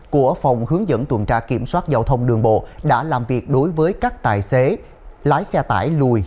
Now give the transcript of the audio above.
của phòng hướng dẫn tuần tra kiểm soát giao thông đường bộ đã làm việc đối với các tài xế lái xe tải lùi